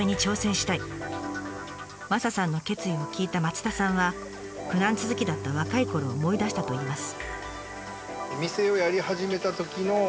マサさんの決意を聞いた枩田さんは苦難続きだった若いころを思い出したといいます。